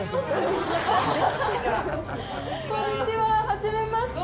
こんにちははじめまして。